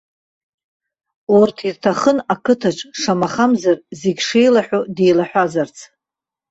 Урҭ ирҭахын ақыҭаҿ, шамахамзар, зегьы шеилаҳәоу деилаҳәазарц.